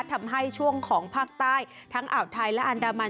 ทำให้ช่วงของภาคใต้ทั้งอ่าวไทยและอันดามัน